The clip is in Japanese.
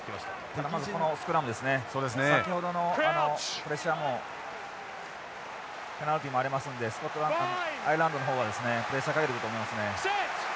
ただこのスクラムですね先ほどのプレッシャーもペナルティもありますのでアイルランドの方はプレッシャーかけてくると思いますね。